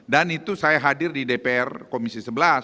dan itu saya hadir di dpr komisi sebelas